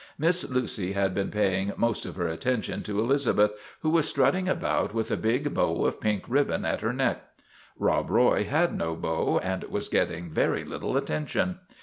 Miss Lucy had been paying most of her attention to Elizabeth, who was strutting about with a big bow of pink ribbon at her neck. Rob Roy had no bow, and was getting very little attention.